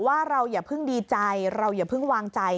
ว่าเราอย่าเพิ่งดีใจเราอย่าเพิ่งวางใจ